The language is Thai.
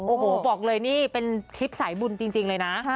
โอ้โหบอกเลยนี่เป็นคลิปสายบุญจริงเลยนะ